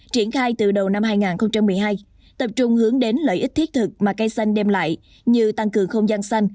triển khai từ đầu năm hai nghìn một mươi hai tập trung hướng đến lợi ích thiết thực mà cây xanh đem lại như tăng cường không gian xanh